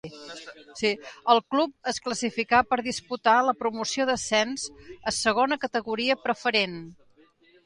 El club es classificà per disputar la promoció d'ascens a Segona Categoria Preferent.